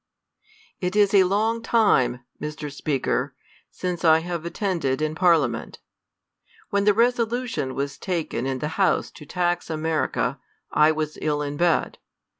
IT is a long time, Mr. Speaker, since I^have attended in Parliament. When the resolution was taken in the House to tax America, I was ill in bed.